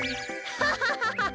ハハハハハ！